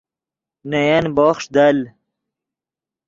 نے ین بوخݰ دل